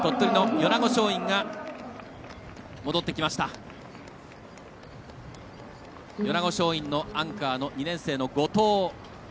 米子松蔭のアンカーの２年生の後藤。